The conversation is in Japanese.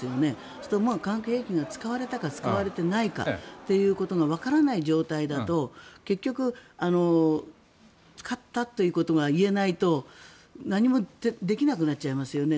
そうすると化学兵器が使われたか使われていないかということがわからない状態だと結局、使ったということが言えないと何もできなくなっちゃいますよね。